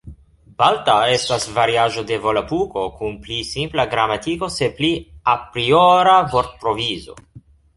Balta estas variaĵo de Volapuko kun pli simpla gramatiko, sed pli apriora vortprovizo.